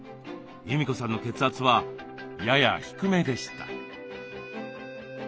裕美子さんの血圧はやや低めでした。